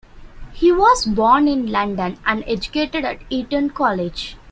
He was born in London and educated at Eton College.